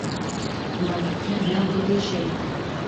Унан китһәм, яңғыҙ йәшәйем!